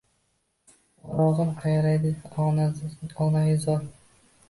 O’rog’in qayraydi onaizoring.